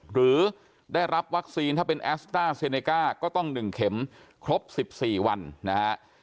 หรือได้รับวัคซีนถ้าเป็นแอสตาร์เซเนกาก็ต้องหนึ่งเข็มครบสิบสี่วันนะฮะ